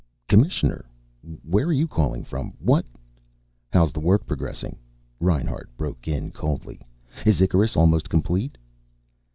"Commissioner! Where are you calling from? What " "How's the work progressing?" Reinhart broke in coldly. "Is Icarus almost complete?"